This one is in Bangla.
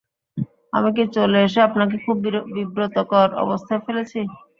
আমি কি চলে এসে আপনাকে খুব বিব্রতকর অবস্থায় ফেলেছি।